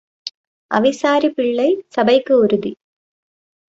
அவிசாரி பிள்ளை சபைக்கு உறுதி.